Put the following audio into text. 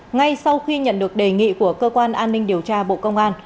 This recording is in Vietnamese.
ngay sau khi nhận được đề nghị của cơ quan an ninh điều tra bộ công an